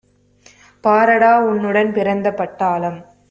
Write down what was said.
பாரடா உன்னுடன் பிறந்த பட்டாளம்!